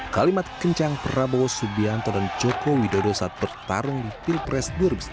kalimat kencang prabowo subianto dan joko widodo saat bertarung di pilpres dua ribu sembilan belas